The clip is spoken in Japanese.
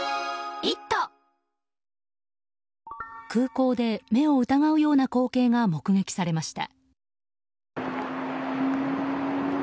空港で、目を疑うような光景が目撃されました。